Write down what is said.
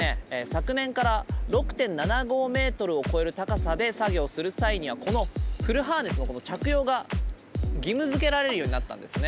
昨年から６．７５ｍを超える高さで作業をする際にはこのフルハーネスの着用が義務付けられるようになったんですね。